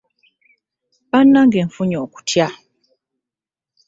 Bannange nfunye okutya